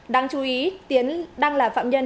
đáng chú ý tiến đang là phạm nhân